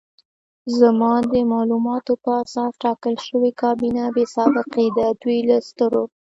زما د معلوماتو په اساس ټاکل شوې کابینه بې سابقې ده، دوی له سترو